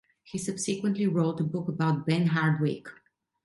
He subsequently wrote a book about Ben Hardwick.